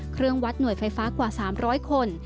เครื่องวัดหน่วยไฟฟ้ากว่า๓๐๐คน